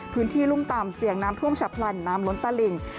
รุ่มต่ำเสี่ยงน้ำท่วมฉับพลันน้ำล้นตะหลิ่ง